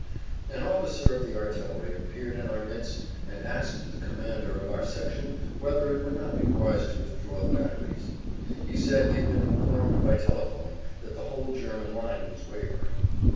An officer of the artillery appeared in our midst and asked the commander of our section whether it[Pg 93] would not be wise to withdraw the batteries. He said he had been informed by telephone that the whole German line was wavering.